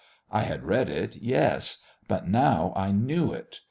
I had read it, yes; but now I knew it.